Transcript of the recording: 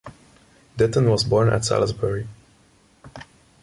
Ditton was born at Salisbury.